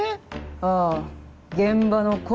ああ現場の声